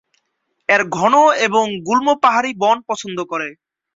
এর ঘন এবং গুল্ম পাহাড়ী বন পছন্দ করে।